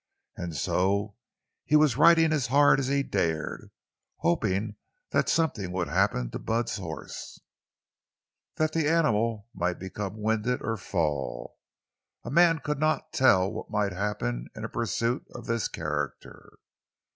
And so he was riding as hard as he dared, hoping that something would happen to Bud's horse—that the animal might become winded or fall. A man could not tell what might happen in a pursuit of this character.